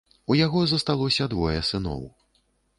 У яго засталося двое сыноў.